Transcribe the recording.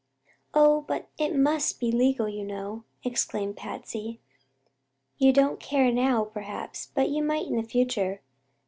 "Oh, but it must be legal, you know!" exclaimed Patsy. "You don't care now, perhaps, but you might in the future.